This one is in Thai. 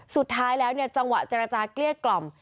สุดท้ายแล้วเนี่ยจังหวะเจรจาเกลี้ยกล่อม